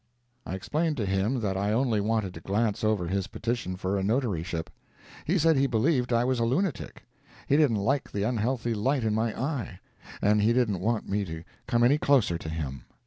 I explained to him that I only wanted to glance over his petition for a notaryship. He said he believed I was a lunatic—he didn't like the unhealthy light in my eye, and he didn't want me to come any closer to him.